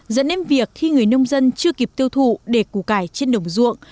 dẫn đến việc khi người nông dân chưa kịp tiêu thụ để củ cải trên đồng ruộng